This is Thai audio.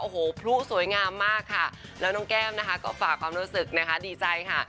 โอ้โหพลุสวยงามมากค่ะแล้วน้องแก้มนะคะก็ฝากความรู้สึกนะคะดีใจค่ะ